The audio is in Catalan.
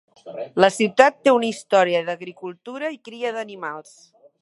La ciutat té una història d'agricultura i cria d'animals.